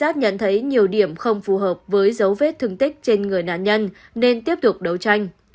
xác nhận thấy nhiều điểm không phù hợp với dấu vết thương tích trên người nạn nhân nên tiếp tục đấu tranh